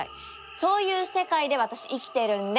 そういう世界で私生きてるんで！